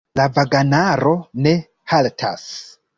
La vagonaro ne haltas.